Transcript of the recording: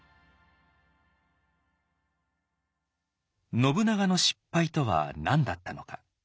信長の失敗とは何だったのか。